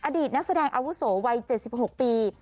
อดีตนักแสดงอาวุโสวัย๗๖ปี